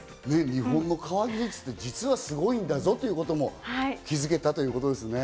日本の革技術って実はすごいんだぞっていうことも気付けたということですね。